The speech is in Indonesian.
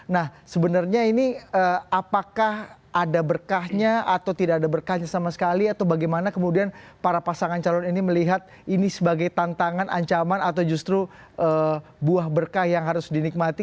nah sebenarnya ini apakah ada berkahnya atau tidak ada berkahnya sama sekali atau bagaimana kemudian para pasangan calon ini melihat ini sebagai tantangan ancaman atau justru buah berkah yang harus dinikmati